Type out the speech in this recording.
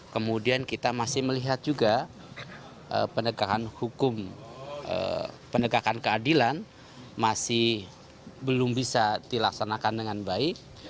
kemudian kita masih melihat juga penegakan hukum penegakan keadilan masih belum bisa dilaksanakan dengan baik